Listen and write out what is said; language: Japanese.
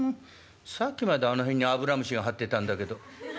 さっきまであの辺に油虫がはってたんだけど」。